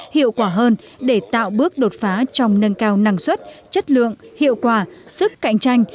hiệu quả hơn để tạo bước đột phá trong nâng cao năng suất chất lượng hiệu quả sức cạnh tranh